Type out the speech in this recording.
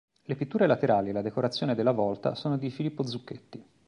Le pitture laterali e la decorazione della volta sono di Filippo Zucchetti.